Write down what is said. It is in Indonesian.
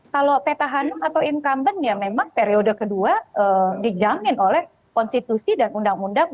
kalau petahanum atau incumbent ya memang periode kedua dijamin oleh konstitusi dan undang undang